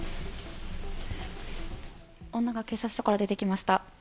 女が警察署から出てきました。